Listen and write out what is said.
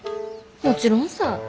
もちろんさ。